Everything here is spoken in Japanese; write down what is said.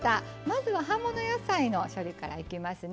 まずは葉物野菜の処理からいきますね。